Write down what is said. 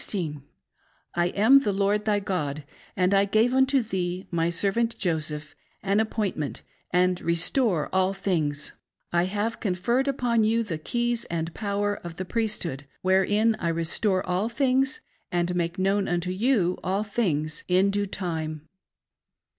I am the Lord thy God, and I gave unto thee, my servant Joseph, an appointment, and restore all things ; I have conferred upon you the keys and power of the Priesthood, wherein I restore all tljings, and make known unto you all things, in due time.